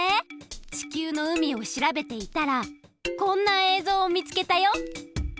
地球の海を調べていたらこんなえいぞうをみつけたよ。